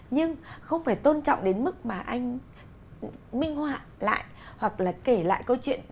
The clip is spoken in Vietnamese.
nhưng không phải tôn trọng đến mức mà anh minh họa lại hoặc là kể lại câu chuyện